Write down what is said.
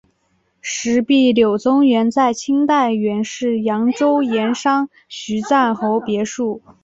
石壁流淙园在清代原是扬州盐商徐赞侯别墅。